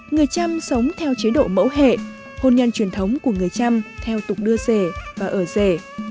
người trăm sống theo chế độ mẫu hệ hôn nhân truyền thống của người trăm theo tục đưa rể và ở rể